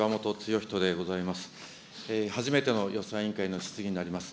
初めての予算委員会の質疑になります。